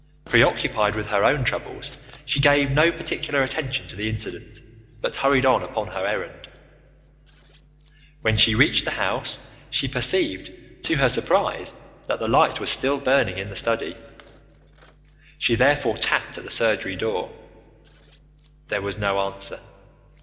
Preoccupied with her own troubles, she gave no particular attention to the incident, but hurried on upon her errand. When she reached the house she perceived to her surprise that the light was still burning in the study. She therefore tapped at the surgery door. There was no answer.